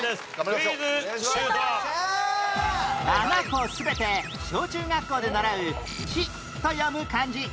７個全て小・中学校で習う「ち」と読む漢字